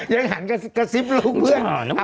ยังหันกระซิบลูกเพื่อน